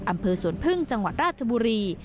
อำเภอสวนพึ่งจังหวัดราชบุรี